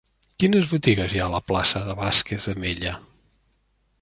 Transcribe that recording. Quines botigues hi ha a la plaça de Vázquez de Mella?